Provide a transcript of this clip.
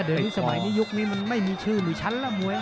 เดินสมัยนี้ยุคนี้มันไม่มีชื่อหนุ่ยชั้นล่ะมวย